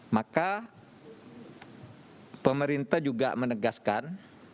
maka pemerintah juga menegaskan